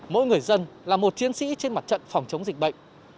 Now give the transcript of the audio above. mỗi người dân là một chiến sĩ trên mặt trận phòng chống dịch bệnh